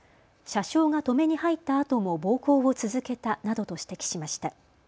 車掌が止めに入ったあとも暴行を続けたなどと指摘しました。